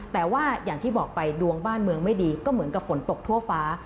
แต่ว่าอย่างที่บอกไปดวงบ้านเมืองไม่ดีก็เหมือนกับฝนตกทั่วฟ้า